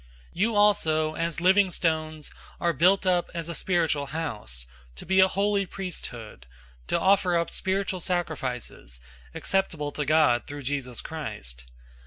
002:005 You also, as living stones, are built up as a spiritual house, to be a holy priesthood, to offer up spiritual sacrifices, acceptable to God through Jesus Christ.